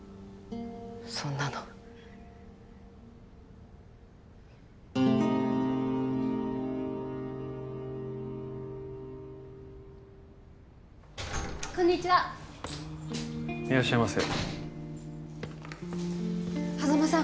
そんなのこんにちはいらっしゃいませ波佐間さん